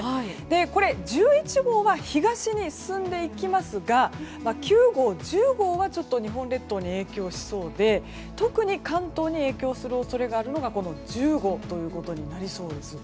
これ、１１号は東に進んでいきますが９号、１０号は日本列島に影響しそうで特に関東に影響する恐れがあるのが１０号ということになりそうです。